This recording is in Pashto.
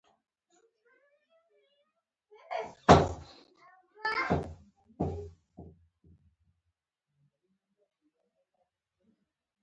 بیزو ډېر وخت د ونو پر سر تېروي.